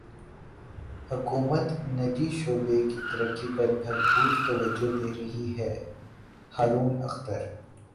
حکومت نجی شعبے کی ترقی پر بھرپور توجہ دے رہی ہے ہارون اختر